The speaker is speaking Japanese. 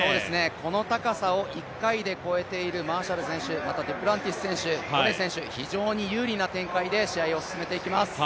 この高さを１回で越えているマーシャル選手、またデュプランティス選手、コレ選手、非常に有利な形で進めていくことになります。